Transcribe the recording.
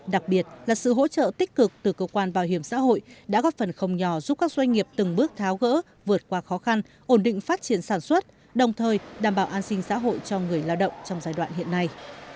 đặc biệt là sự hỗ trợ tích cực từ cơ quan bảo hiểm xã hội đã góp phần không nhỏ giúp các doanh nghiệp từng bước tháo gỡ vượt qua khó khăn ổn định phát triển sản xuất đồng thời đảm bảo an sinh xã hội cho người lao động trong giai đoạn hiện nay